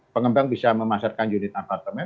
pengembang bisa memasarkan unit apartemen